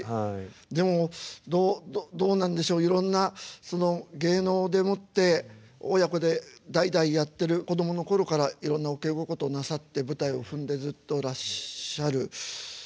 でもどうなんでしょういろんな芸能でもって親子で代々やってる子供の頃からいろんなお稽古事なさって舞台を踏んでずっとらっしゃる。